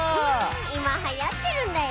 いまはやってるんだよ。